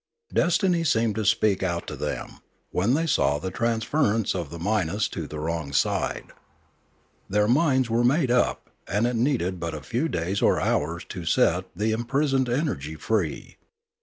Destiny seemed to speak out to them, when they saw the transference of the minus to the wrong side. Their minds were made up and it needed but a few days or hours to set the im prisoned energy free.